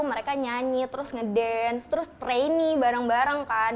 mereka nyanyi terus ngedance terus traine bareng bareng kan